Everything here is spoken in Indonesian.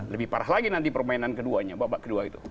lebih parah lagi nanti permainan keduanya babak kedua itu